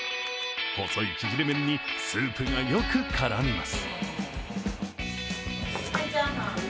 細い縮れ麺にスープがよく絡みます。